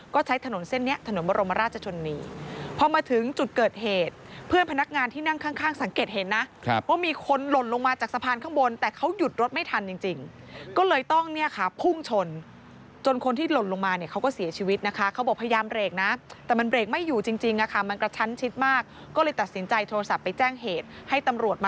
ก็ใช้ถนนเส้นนี้ถนนมรมราชชนี